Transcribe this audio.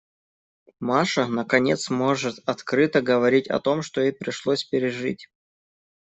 Маша, наконец, может открыто говорить о том, что ей пришлось пережить.